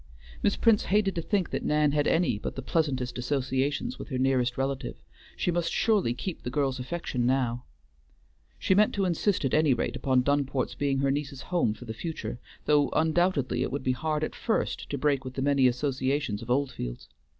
Miss Prince hated to think that Nan had any but the pleasantest associations with her nearest relative; she must surely keep the girl's affection now. She meant to insist at any rate upon Dunport's being her niece's home for the future, though undoubtedly it would be hard at first to break with the many associations of Oldfields.